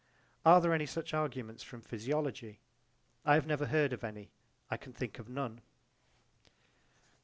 Are there any such arguments from physiology? I have never heard of any: I can think of none.